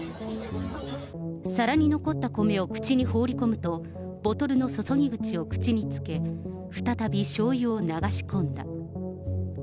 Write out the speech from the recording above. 皿に残った米を口に放り込むと、ボトルの注ぎ口を口につけ、再びしょうゆを流し込んだ。